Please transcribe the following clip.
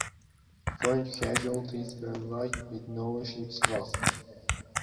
French casualties were light with no ships lost.